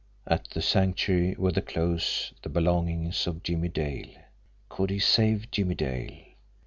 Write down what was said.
At the Sanctuary were the clothes, the belongings of Jimmie Dale. Could he save Jimmie Dale!